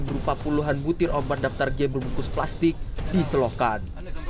berupa puluhan butir obat daftar game berbungkus plastik di selokan